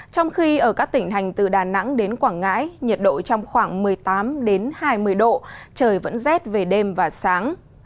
trong khi ở các tỉnh thành từ đà nẵng đến quảng ngãi nhiệt độ trong khoảng một mươi tám hai mươi độ trời vẫn rét về đêm và sáng